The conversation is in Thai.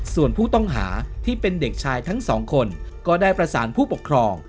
ส่วนผู้ต้องหาที่เป็นเด็กชายทั้งสองคนก็ได้ประสานผู้ปกครอง